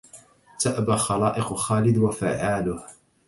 تأبى خلائق خالد وفعاله